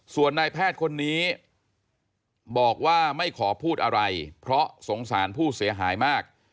ส่วนนายแพทย์คนนี้บอกว่าไม่ขอพูดอะไรเพราะสงสารผู้เสียหายมาก